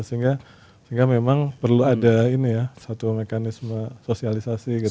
sehingga memang perlu ada ini ya satu mekanisme sosialisasi gitu